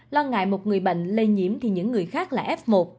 lo ngại một người bệnh lây nhiễm thì những người khác là f một